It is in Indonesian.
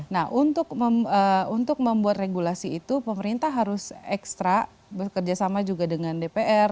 nah untuk membuat regulasi itu pemerintah harus ekstra bekerja sama juga dengan dpr